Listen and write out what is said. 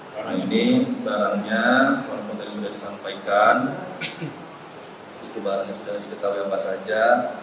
karena ini barangnya walaupun tadi sudah disampaikan itu barangnya sudah diketahui apa saja